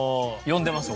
呼んでます